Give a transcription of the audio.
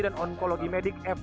dan onkologi medik f